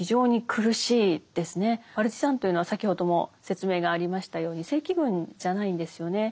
パルチザンというのは先ほども説明がありましたように正規軍じゃないんですよね。